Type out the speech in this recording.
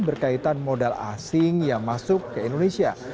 berkaitan modal asing yang masuk ke indonesia